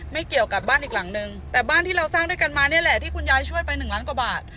ไม่เกี่ยวกับบ้านอีกหลังนึงแต่บ้านที่เราสร้างด้วยกันมานี่แหละที่คุณยายช่วยไปหนึ่งล้านกว่าบาท